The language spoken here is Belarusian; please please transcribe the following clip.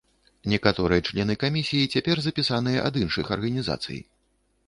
Некаторыя члены камісіі цяпер запісаныя ад іншых арганізацый.